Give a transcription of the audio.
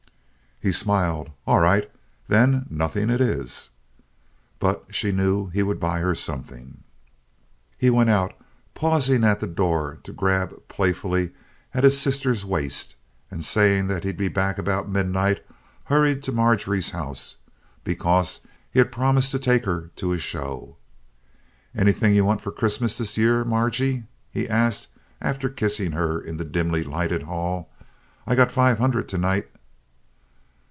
He smiled. "All right. Then nothing it is." But she knew he would buy her something. He went out, pausing at the door to grab playfully at his sister's waist, and saying that he'd be back about midnight, hurried to Marjorie's house, because he had promised to take her to a show. "Anything you want for Christmas this year, Margy?" he asked, after kissing her in the dimly lighted hall. "I got five hundred to night."